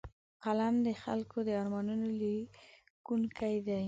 قلم د خلکو د ارمانونو لیکونکی دی